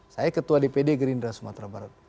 saya ketua dpd gerindra sumatera barat